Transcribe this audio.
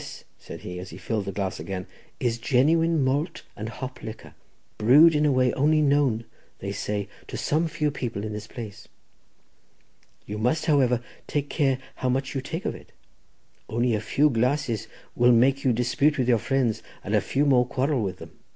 This," said he, as he filled the glass again, "is genuine malt and hop liquor, brewed in a way only known, they say, to some few people in this place. You must, however, take care how much you take of it. Only a few glasses will make you dispute with your friends, and a few more quarrel with them.